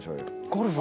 ゴルフ？